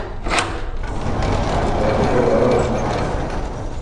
Elkartuko al gara?